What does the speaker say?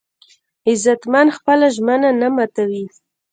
غیرتمند خپله ژمنه نه ماتوي